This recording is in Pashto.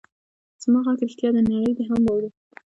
زما غږ رښتیا دی؛ نړۍ دې هم واوري.